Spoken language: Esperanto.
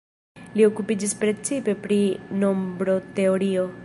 Li okupiĝis precipe pri nombroteorio.